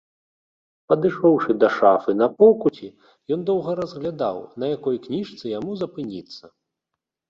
Падышоўшы да шафы на покуці, ён доўга разглядаў, на якой кніжцы яму запыніцца.